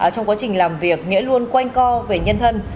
trong quá trình làm việc nghĩa luôn quanh co về nhân thân